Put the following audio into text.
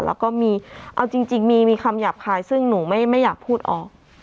แล้วก็มีเอาจริงมีคำหยาบคายซึ่งหนูไม่อยากพูดออก